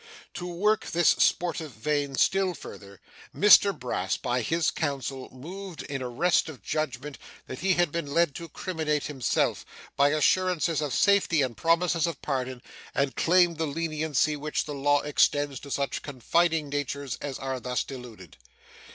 To work this sportive vein still further, Mr Brass, by his counsel, moved in arrest of judgment that he had been led to criminate himself, by assurances of safety and promises of pardon, and claimed the leniency which the law extends to such confiding natures as are thus deluded.